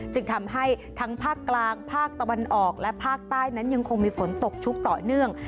จึงทำให้ทั้งภาคกลางภาคตะวันออกและภาคใต้นั้นยังคงมีฝนตกชุกต่อเนื่อง